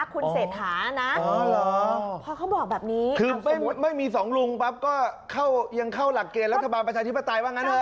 คุณเศรษฐานะอ๋อเหรอพอเขาบอกแบบนี้คือสมมุติไม่มีสองลุงปั๊บก็เข้ายังเข้าหลักเกณฑ์รัฐบาลประชาธิปไตยบ้างนั้น